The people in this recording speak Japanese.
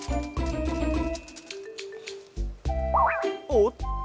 おっと！